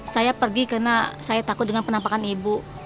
saya pergi karena saya takut dengan penampakan ibu